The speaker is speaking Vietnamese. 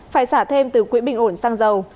phải xả thêm từ quỹ bình ổn xăng dầu